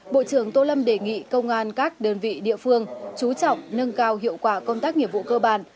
bộ trưởng tô lâm đề nghị công an các đơn vị địa phương chú trọng nâng cao hiệu quả công tác nghiệp vụ cơ bản